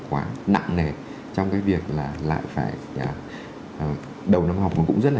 quá nặng nề trong cái việc là lại phải đầu năm học mà cũng rất là